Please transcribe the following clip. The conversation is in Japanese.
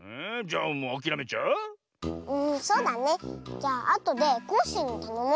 じゃあとでコッシーにたのもう。